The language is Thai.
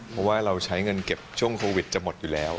เพราะว่าเราใช้เงินเก็บช่วงโควิดจะหมดอยู่แล้ว